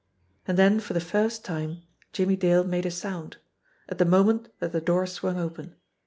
And then for the first time Jimmie Dale made a sound at the moment that the door swung open.